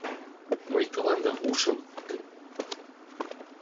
Мый тыланда ушым пуртем...